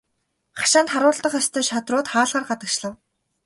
Хашаанд харуулдах ёстой шадрууд хаалгаар гадагшлав.